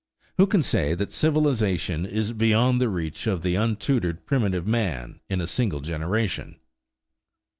Who can say that civilization is beyond the reach of the untutored primitive man in a single generation?